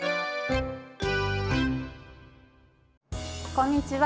こんにちは。